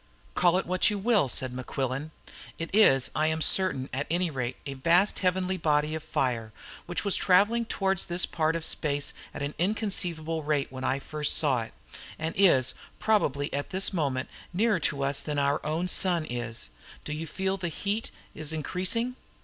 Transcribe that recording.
"Call it what you will," said Mequillen. "It is, I am certain, at any rate, a vast heavenly body of fire, which was travelling towards this part of space at an inconceivable rate when I first saw it, and is probably at this moment nearer to us than our sun is. Do you feel that the heat is increasing?"